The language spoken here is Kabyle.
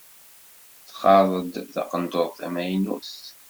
Txaḍ-d taqendurt tamaynut.